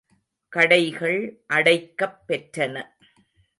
கடைகள் அடைக்கப் பெற்றன.